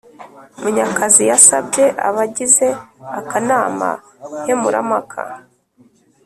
munyakazi yasabye abagize akanama nkemurampaka